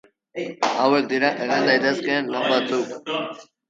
Hauek dira egin daitezkeen lan batzuk.